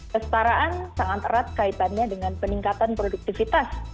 kestaraan sangat erat kaitannya dengan peningkatan produktivitas